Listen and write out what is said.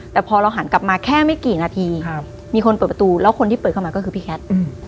แต่พอเราหันกลับมาแค่ไม่กี่นาทีมีคนเปิดประตูแล้วคนที่เปิดเข้ามาก็คือพี่แคท